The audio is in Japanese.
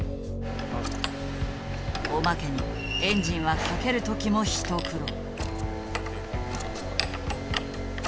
おまけにエンジンはかける時も一苦労。